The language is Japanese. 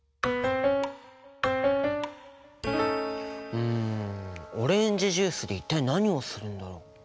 うんオレンジジュースで一体何をするんだろう？